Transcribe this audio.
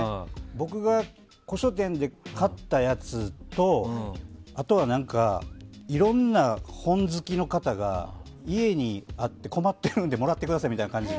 僕が古書店で買ったやつとあとは、いろんな本好きの方が家にあって困ってるのでもらってくださいみたいな。